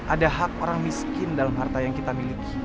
ada hak orang miskin dalam harta yang kita miliki